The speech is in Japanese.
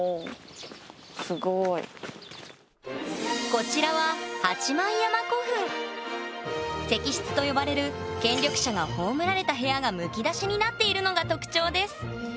こちらは石室と呼ばれる権力者が葬られた部屋がむき出しになっているのが特徴ですへえ。